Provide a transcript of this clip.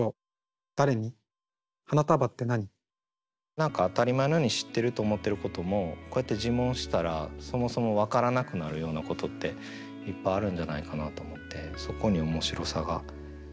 何か当たり前のように知ってると思ってることもこうやって自問したらそもそも分からなくなるようなことっていっぱいあるんじゃないかなと思ってそこに面白さがあるなと。